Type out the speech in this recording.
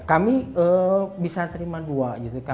kami bisa terima dua